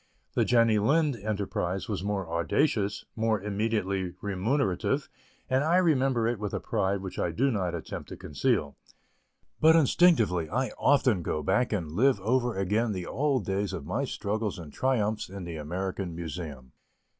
The Jenny Lind enterprise was more audacious, more immediately remunerative, and I remember it with a pride which I do not attempt to conceal; but instinctively I often go back and live over again the old days of my struggles and triumphs in the American Museum.